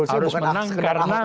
harus menang karena